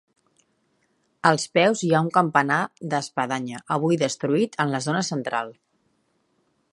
Als peus hi ha un campanar d'espadanya, avui destruït en la zona central.